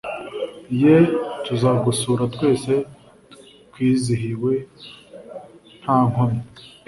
Yeee tuzagusura twese twizihiwe ntankomyi